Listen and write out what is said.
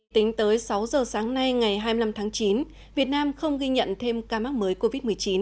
tính tới sáu giờ sáng nay ngày hai mươi năm tháng chín việt nam không ghi nhận thêm ca mắc mới covid một mươi chín